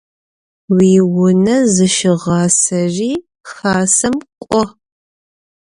Уиунэ зыщыгъасэри Хасэм кӏо.